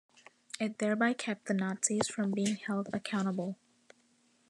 It thereby kept the Nazis from being held accountable.